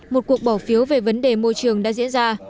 một cuộc bỏ phiếu về vấn đề môi trường đã diễn ra